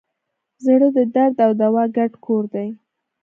زړه د درد او دوا ګډ کور دی.